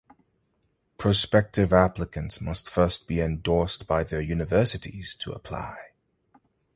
Prospective applicants must first be endorsed by their universities to apply.